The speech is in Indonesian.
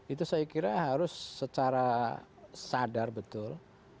itu saya kira harus secara sadar betul